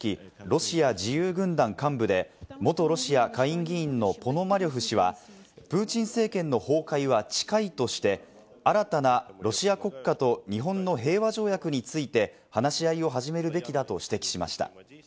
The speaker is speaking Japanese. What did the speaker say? ・ロシア自由軍団幹部で、元ロシア下院議員のポノマリョフ氏はプーチン政権の崩壊は近いとして、新たなロシア国家と日本の平和条約について話し合いを始めるべきだと指摘しました。